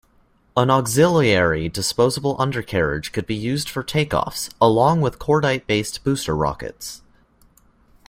An auxiliary disposable undercarriage could be used for takeoffs, along with cordite-based booster rockets.